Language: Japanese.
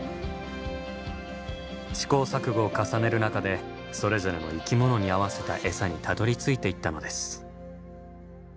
試行錯誤を重ねる中でそれぞれの生き物に合わせた餌にたどりついていったのです。